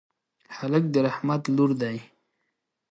هلک د رحمت لور دی.